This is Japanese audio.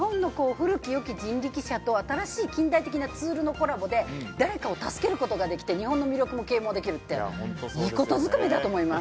日本の古き良き人力車と、新しい近代的なツールのコラボで、誰かを助けることができて、日本の魅力貢献もできるっていいことずくめだと思います。